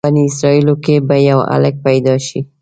بني اسرایلو کې به یو هلک پیدا شي.